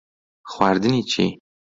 خواردنی چی؟